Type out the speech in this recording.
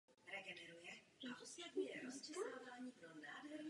Důvodů pro jejich krátký provoz mohlo být několik.